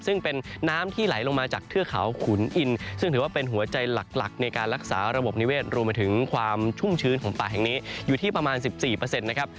ซึ่งเป็นน้ำที่ไหลลงมาจากเทือกเขาขุนอินซึ่งถือว่าเป็นหัวใจหลักในการรักษาระบบนิเวศรวมไปถึงความชุ่มชื้นของป่าแห่งนี้อยู่ที่ประมาณ๑๔นะครับ